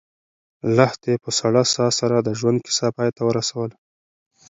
لښتې په سړه ساه سره د ژوند کیسه پای ته ورسوله.